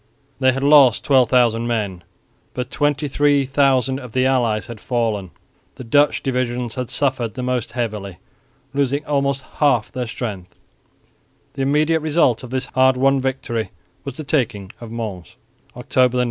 They had lost 12,000 men, but 23,000 of the allies had fallen; the Dutch divisions had suffered the most severely, losing almost half their strength. The immediate result of this hard won victory was the taking of Mons, October 9.